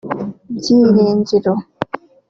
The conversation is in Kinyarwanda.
Byiringiro